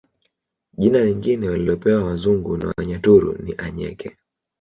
Jina lingine walilopewa wazungu na Wanyaturu ni Anyeke